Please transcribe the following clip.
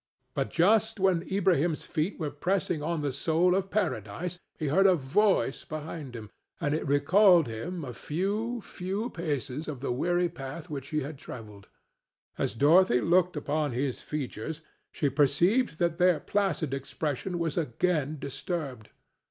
But just when Ilbrahim's feet were pressing on the soil of Paradise he heard a voice behind him, and it recalled him a few, few paces of the weary path which he had travelled. As Dorothy looked upon his features she perceived that their placid expression was again disturbed.